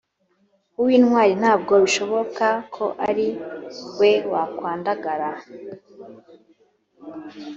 uw’intwari ntabwo bishoboka ko ari we wakwandagara